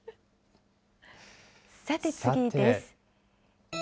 さて次です。